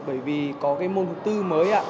bởi vì có cái môn thứ bốn mới ạ